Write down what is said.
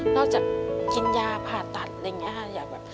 กินยาผ่าตัดอะไรอย่างนี้ค่ะ